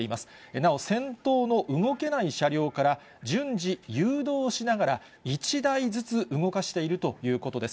なお先頭の動けない車両から順次誘導しながら、１台ずつ動かしているということです。